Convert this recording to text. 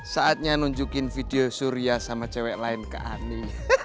saatnya nunjukin video surya sama cewek lain ke ani